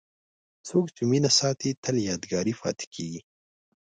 څوک چې مینه ساتي، تل یادګاري پاتې کېږي.